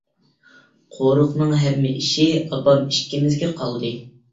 قورۇقنىڭ ھەممە ئىشى ئاپام ئىككىمىزگە قالدى.